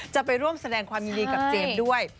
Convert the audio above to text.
จะไปร่วมแสดงความยินดีกับเจมส์ด้วย